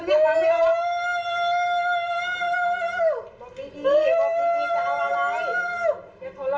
บอกดีบอกดีแต่เอาอะไร